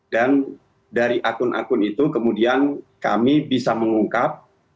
dan dari akun akun itu kemudian kami bisa mengungkap